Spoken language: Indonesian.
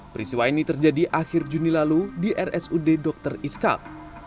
perisiwa ini terjadi akhir juni lalu di rsud dr iskak